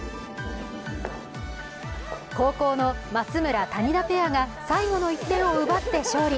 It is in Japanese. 後攻の松村・谷田ペアが最後の１点を奪って勝利。